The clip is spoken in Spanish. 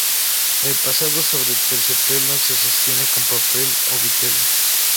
El pasado sobre terciopelo se sostiene con papel o vitela.